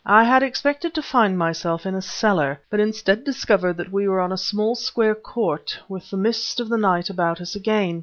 I had expected to find myself in a cellar, but instead discovered that we were in a small square court with the mist of the night about us again.